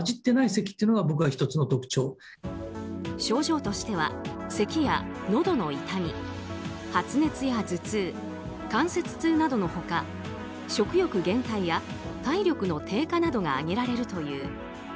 症状としてはせきやのどの痛み、発熱や頭痛関節痛などの他食欲減退や体力の低下などが挙げられるという。